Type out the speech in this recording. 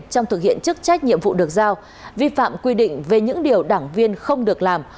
trong thực hiện chức trách nhiệm vụ được giao vi phạm quy định về những điều đảng viên không được làm